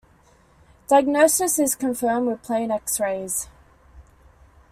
Diagnosis is confirmed with plain X-rays.